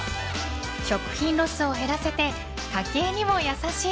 食品ロスを減らせて家計にも優しい